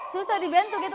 susah dibentuk gitu